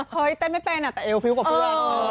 เฮ้ยเต้นไม่เป็นแต่เอลวุฟุกับเพื่อน